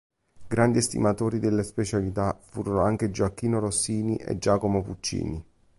Grandi estimatori della specialità furono anche Gioachino Rossini e Giacomo Puccini.